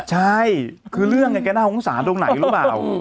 ใช่คือเรื่องแกน่าสงสารตรงไหนหรือเปล่า